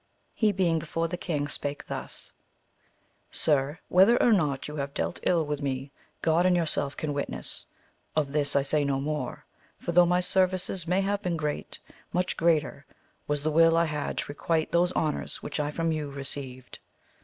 He being before the king spake thus : Sir, whether or not you have dealt ill with me God and yourself can witness : of this I say no more, for though my services may have been great, much greater was the will I had to requite those honours which I from you received.